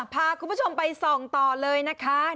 พาคุณผู้ชมไปส่องต่อเลยนะคะ